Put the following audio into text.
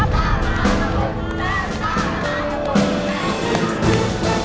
ทีมที่ชนะ